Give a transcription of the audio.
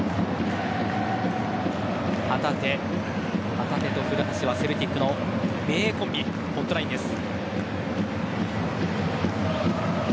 旗手と古橋はセルティックの名コンビホットラインです。